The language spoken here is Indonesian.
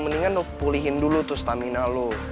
mendingan pulihin dulu tuh stamina lo